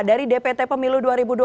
dari dpt pemilu dua ribu dua puluh